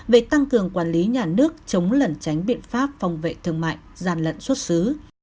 về tăng cường quản lý nhà nước chống lẩn tránh biện pháp phòng vệ thương mại gian lận xuất xứ